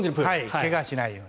怪我をしないように。